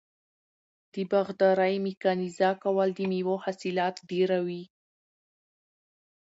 د باغدارۍ میکانیزه کول د میوو حاصلات ډیروي.